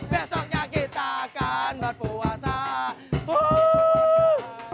besoknya kita akan berpuasa